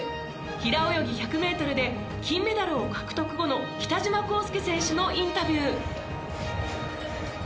平泳ぎ１００メートルで金メダルを獲得後の北島康介選手のインタビュー。